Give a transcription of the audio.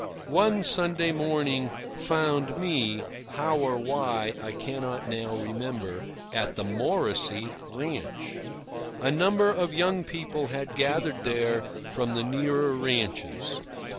One Sunday morning found me, how or why I cannot now remember, at the Morrisey ranch. A number of young people had gathered there from the nearer ranches.